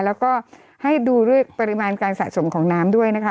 แล้วก็ให้ดูด้วยปริมาณการสะสมของน้ำด้วยนะคะ